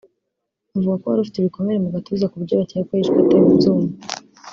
bavuga ko wari ufite ibikomere mu gatuza ku buryo bakeka ko yishwe atewe ibyuma